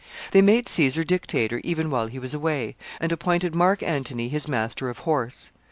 They made Caesar dictator even while he was away, and appointed Mark Antony his master of horse.